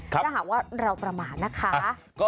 ถ้าหากว่าเราประมาทนะคะ